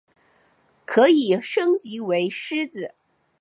可以升级为狮子。